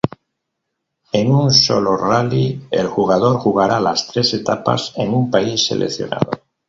En un solo rally, el jugador jugará las tres etapas en un país seleccionado.